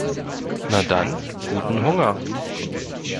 Na dann, guten Hunger!